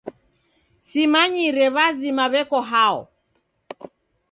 Simanyire w'azima w'eko hao.